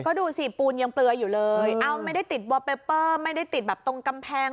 ก็ดูสิปูนยังเปลืออยู่เลยเอาไม่ได้ติดวอเปเปอร์ไม่ได้ติดแบบตรงกำแพง